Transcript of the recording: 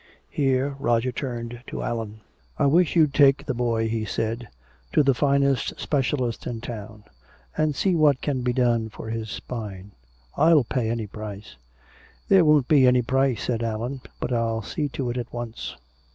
'" Here Roger turned to Allan. "I wish you'd take the boy," he said, "to the finest specialist in town, and see what can be done for his spine. I'll pay any price." "There won't be any price," said Allan, "but I'll see to it at once."